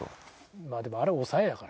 まあでもあれ抑えやから。